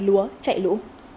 lúa chạy lũ